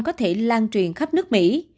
có thể lan truyền khắp nước mỹ